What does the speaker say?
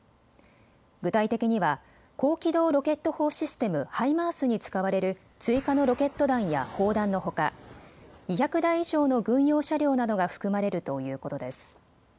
具体的には高機動ロケット砲システム・ハイマースに使われる追加のロケット弾や砲弾のほか２００台以上の軍用車両などが含まれるということです。